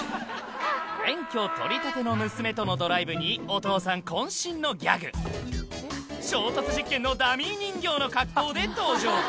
免許取りたての娘とのドライブにお父さん渾身のギャグ衝突実験のダミー人形の格好で登場